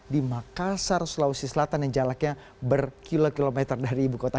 di makassar sulawesi selatan yang jaraknya berkilo kilometer dari ibu kota